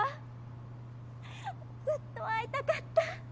ずっと会いたかった。